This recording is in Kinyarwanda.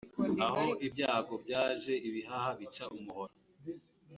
Aho ibyago byaje ibihaha bica umuhoro.